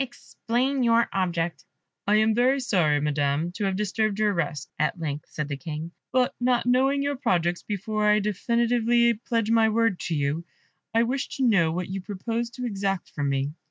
"Explain your object." "I am very sorry, Madam, to have disturbed your rest," at length said the King; "but not knowing your projects, before I definitively pledge my word to you I wish to know what you propose to exact from me."